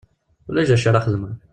Ulac d acu ara xedmeɣ.